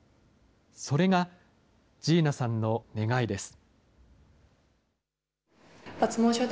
それがＧｅｎａさんの願いです。